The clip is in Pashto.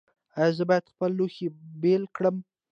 ایا زه باید خپل لوښي بیل کړم؟